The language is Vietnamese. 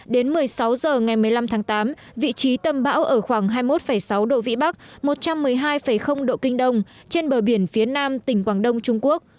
đến một mươi sáu h ngày một mươi năm tháng tám vị trí tâm bão ở khoảng hai mươi một sáu độ vĩ bắc một trăm một mươi hai độ kinh đông trên bờ biển phía nam tỉnh quảng đông trung quốc